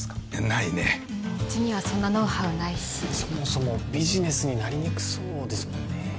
ないねうちにはそんなノウハウないしそもそもビジネスになりにくそうですもんね